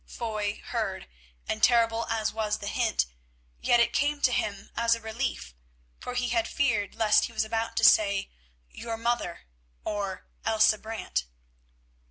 Foy heard, and terrible as was the hint, yet it came to him as a relief, for he had feared lest he was about to say "your mother" or "Elsa Brant."